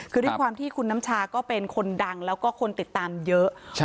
คือด้วยความที่คุณน้ำชาก็เป็นคนดังแล้วก็คนติดตามเยอะ